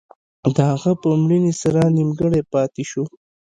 د هغه په مړینې سره نیمګړی پاتې شو.